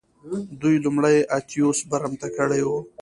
دوی لومړی اتیوس برمته کړی و